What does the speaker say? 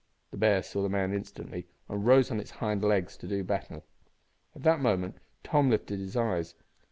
The bear saw the man instantly, and rose on its hind legs to do battle. At that moment Tom lifted his eyes.